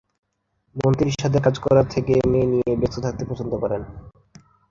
মন্ত্রীর সাথে কাজ করার থেকে মেয়ে নিয়ে ব্যস্ত থাকতে পছন্দ করেন।